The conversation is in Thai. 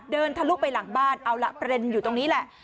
ทะลุไปหลังบ้านเอาล่ะประเด็นอยู่ตรงนี้แหละ